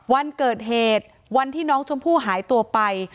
วันเกิดเหตุวันที่น้องชมพู่หายตัวไป